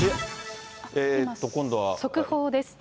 速報です。